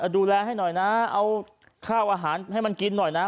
ดูแลให้หน่อยนะเอาข้าวอาหารให้มันกินหน่อยนะ